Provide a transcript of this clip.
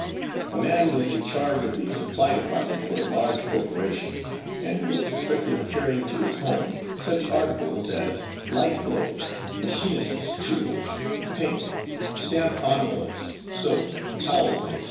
A man was in charge of the supply department for a large corporation, and was suspected of carrying to his home such articles as light globes, machinists' tools, paint, stamped envelopes, soap, towels, etc.